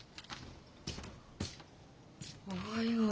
おはよう。